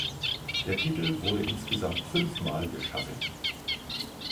Der Titel wurde insgesamt fünfmal geschaffen.